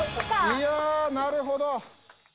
いやなるほど！